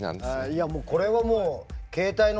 いやもうこれはもう確かに。